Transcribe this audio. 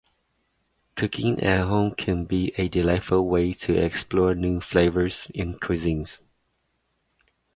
Cooking at home can be a delightful way to explore new flavors and cuisines.